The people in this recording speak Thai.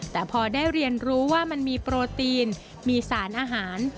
แต่พอได้เรียนรู้ว่ามันมีโปรตีนมีสารอาหาร